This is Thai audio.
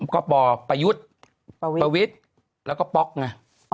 ก็ปปยุทธประวิทย์แล้วก็ปน่ะ